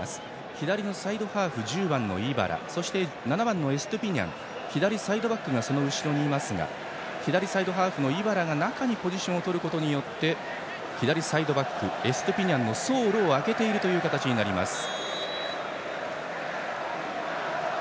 左サイドハーフ、１０番のイバラそして７番のエストゥピニャン左サイドバックがその後ろにいますが左サイドハーフのイバラが中にポジションをとることで左サイドバックのエストゥピニャンの走路を空けている形になります。